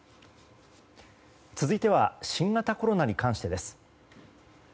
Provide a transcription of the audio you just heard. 続いては新型コロナに関してです。